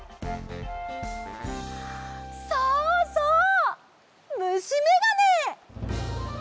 そうそうむしめがね！